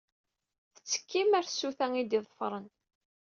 Tettekkim ar tsuta i d-iḍefṛen.